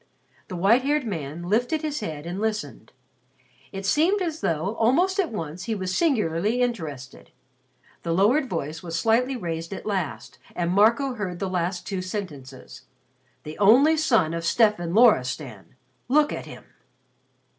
The white haired man lifted his head and listened. It seemed as though almost at once he was singularly interested. The lowered voice was slightly raised at last and Marco heard the last two sentences: "The only son of Stefan Loristan. Look at him."